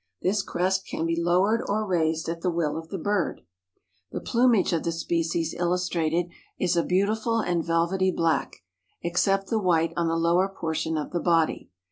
This crest can be lowered or raised at the will of the bird. The plumage of the species illustrated is a beautiful and velvety black, except the white on the lower portion of the body.